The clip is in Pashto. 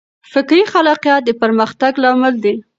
فکري خلاقیت د پرمختګ لامل دی.